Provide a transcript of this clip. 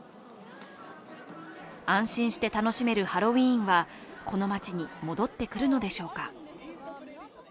安心して楽しめるハロウィーンはこの街に戻ってくるのでしょうか。